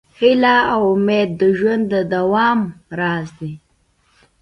هیله او امید د ژوند د دوام راز دی.